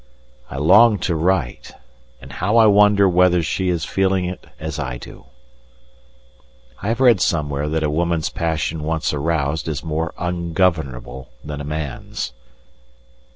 I long to write, and how I wonder whether she is feeling it as I do. I have read somewhere that a woman's passion once aroused is more ungovernable than a man's.